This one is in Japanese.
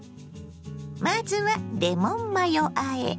まずはレモンマヨあえ。